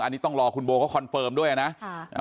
อันนี้ต้องรอคุณโบก็คอนเฟิร์มด้วยนะ